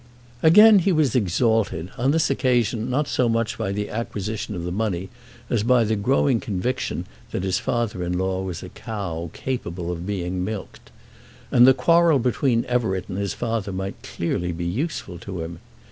Again he was exalted, on this occasion not so much by the acquisition of the money as by the growing conviction that his father in law was a cow capable of being milked. And the quarrel between Everett and his father might clearly be useful to him.